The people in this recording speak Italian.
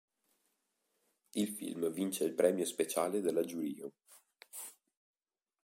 Il film vince il premio speciale della giuria.